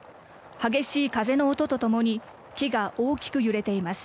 激しい風の音とともに、木が大きく揺れています。